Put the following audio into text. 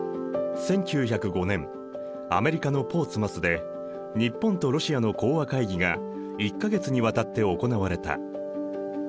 １９０５年アメリカのポーツマスで日本とロシアの講和会議が１か月にわたって行われた。